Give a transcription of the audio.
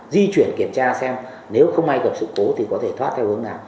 di chuyển kiểm tra xem nếu không ai cập sự cố thì có thể thoát theo hướng nào